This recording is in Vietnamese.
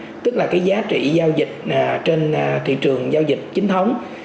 thị giá tức là cái giá trị giao dịch trên thị trường giao dịch chính thống